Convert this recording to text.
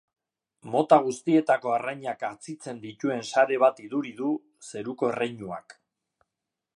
Mota guztietako arrainak atzitzen dituen sare bat iduri du zeruko erreinuak.